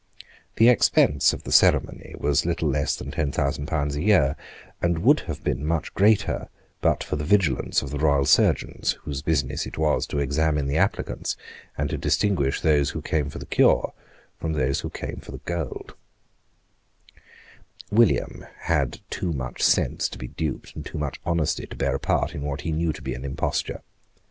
The expense of the ceremony was little less than ten thousand pounds a year, and would have been much greater but for the vigilance of the royal surgeons, whose business it was to examine the applicants, and to distinguish those who came for the cure from those who came for the gold, William had too much sense to be duped, and too much honesty to bear a part in what he knew to be an imposture.